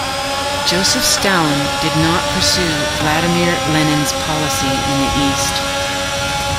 Joseph Stalin did not pursue Vladimir Lenin's policy in the East.